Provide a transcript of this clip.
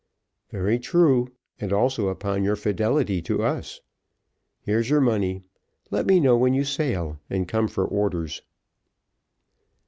"Very true, and also upon your fidelity to us. Here's your money. Let me know when you sail, and come for orders."